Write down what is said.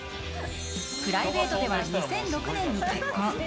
プライベートでは２００６年に結婚。